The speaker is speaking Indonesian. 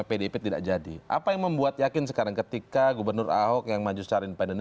pdip tidak jadi apa yang membuat yakin sekarang ketika gubernur ahok yang maju secara independen